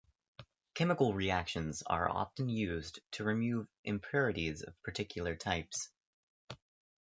Chemical reactions are often used to remove impurities of particular types.